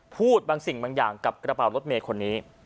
พูดบางสิ่งบางอย่างกับกระเป๋ารถเมย์คนนี้